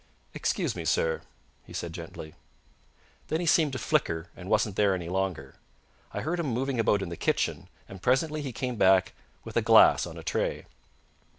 "Excuse me, sir," he said gently. Then he seemed to flicker, and wasn't there any longer. I heard him moving about in the kitchen, and presently he came back with a glass on a tray.